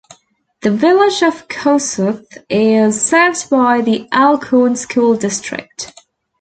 The village of Kossuth is served by the Alcorn School District.